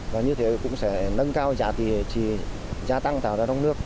và như thế cũng sẽ nâng cao giá tăng tạo ra trong nước